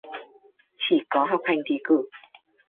Chỉ có học hành thi cử